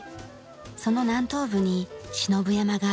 その南東部に信夫山があります。